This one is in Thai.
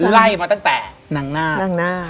ไล่มาตั้งแต่หนังหน้า